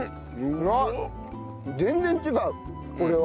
あっ全然違うこれは。